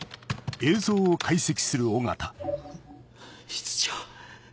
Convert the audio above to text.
室長。